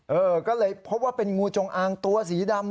เออก็เลยพบว่าเป็นงูจงอางตัวสีดำ